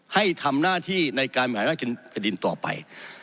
ให้ทำหน้าที่ในการบริหารพระดินต่อไป